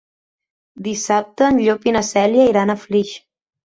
Dissabte en Llop i na Cèlia iran a Flix.